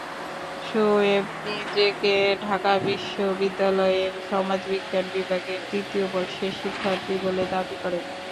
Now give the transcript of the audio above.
শোয়েব নিজেকে ঢাকা বিশ্ববিদ্যালয়ের সমাজবিজ্ঞান বিভাগের তৃতীয় বর্ষের শিক্ষার্থী বলে দাবি করেন।